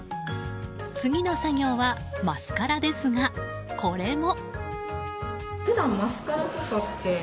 次の作業はマスカラですがこれも。